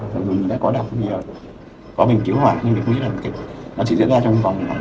dù người ta có đọc thì có mình cứu hỏa nhưng mình không nghĩ là nó chỉ diễn ra trong vòng ba mươi một mươi giây là nó đã